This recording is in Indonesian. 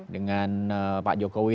dengan pak jokowi